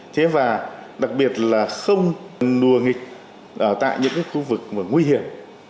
thế và đặc biệt là không đùa nghịch tại những cái khu vực nguy hiểm